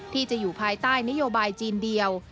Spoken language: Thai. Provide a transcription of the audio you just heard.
ที่จะอยู่ภายใต้นโยบายจีนเดียว